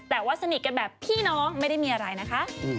แต่ว่าสนิทกันแบบพี่น้องไม่ได้มีอะไรนะคะ